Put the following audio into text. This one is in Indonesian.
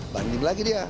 banding lagi dia